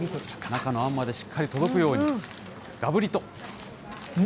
中のあんまでしっかり届くように、がぶりと。